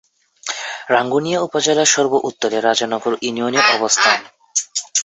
রাঙ্গুনিয়া উপজেলার সর্ব-উত্তরে রাজানগর ইউনিয়নের অবস্থান।